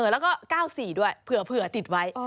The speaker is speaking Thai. แล้วก็๙๔ด้วยเผื่อติดไว้